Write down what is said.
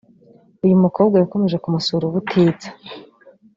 uyu mukobwa yakomeje kumusura ubutitsa